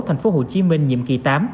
thành phố hồ chí minh nhiệm kỳ tám